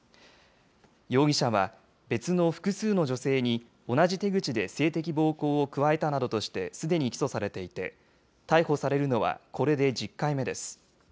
容疑者は、別の複数の女性に同じ手口で性的暴行を加えたなどとして、すでに起訴されていて、逮捕されるのはこれで１０回目です。